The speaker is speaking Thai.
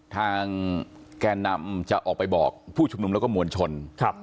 แกนนำจะออกไปบอกผู้ชุมนุมแล้วก็มวลชน